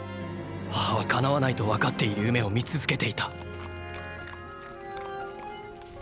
母は叶わないとわかっている夢を見続けていた。